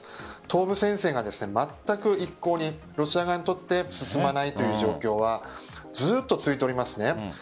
東部戦線がまったく一向にロシア側にとって進まないという状況はずっと続いておりますね。